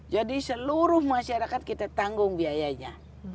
jadi seluruh masyarakat kita tanggung biayanya